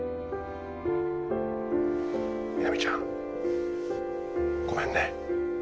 みなみちゃんごめんね。